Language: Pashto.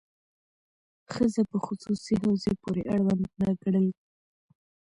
ښځه په خصوصي حوزې پورې اړونده ګڼل.